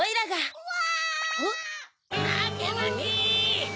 うわ！